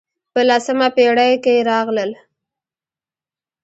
په لسمه پېړۍ کې راغلل.